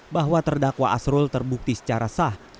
bahwa terdakwa asrul terbukti secara sah